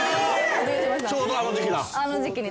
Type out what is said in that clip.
ちょうどあの時期だ。